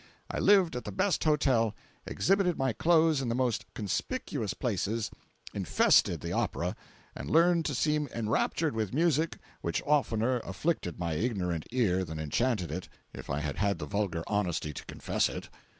I lived at the best hotel, exhibited my clothes in the most conspicuous places, infested the opera, and learned to seem enraptured with music which oftener afflicted my ignorant ear than enchanted it, if I had had the vulgar honesty to confess it.